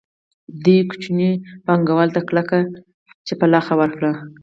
دوی کوچنیو پانګوالو ته کلکه څپېړه ورکړه